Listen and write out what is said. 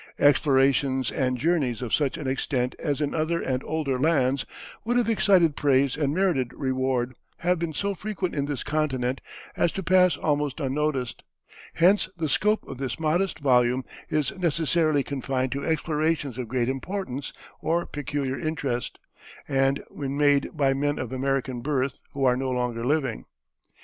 Explorations and journeys of such an extent as in other and older lands would have excited praise and merited reward have been so frequent in this continent as to pass almost unnoticed. Hence the scope of this modest volume is necessarily confined to explorations of great importance or peculiar interest, and when made by men of American birth who are no longer living.